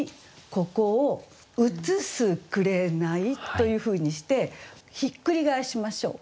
ここを「映すくれなゐ」というふうにしてひっくり返しましょう。